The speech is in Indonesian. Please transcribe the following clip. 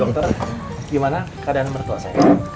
dokter gimana keadaan mertua saya